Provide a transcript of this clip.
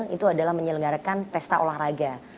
itu adalah menyelenggarakan pesta olahraga